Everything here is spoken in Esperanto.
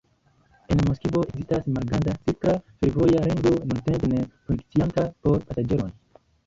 En Moskvo ekzistas "malgranda" cirkla fervoja ringo, nuntempe ne funkcianta por pasaĝeroj.